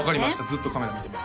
ずっとカメラ見てます